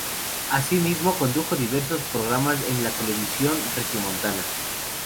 Asimismo, condujo diversos programas en la televisión regiomontana.